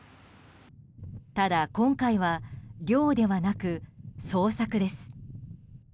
ただ今回は漁ではなく捜索です。